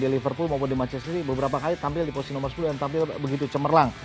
di liverpool maupun di manchester sendiri beberapa kali tampil di posisi nomor sepuluh dan tampil begitu cemerlang